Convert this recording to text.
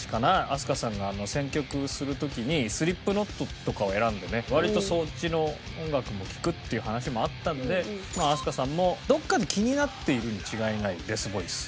飛鳥さんが選曲する時にスリップノットとかを選んでね割とそっちの音楽も聴くという話もあったので飛鳥さんもどこかで気になっているに違いないデスボイス。